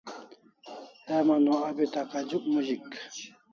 Heman o abi takajuk mozik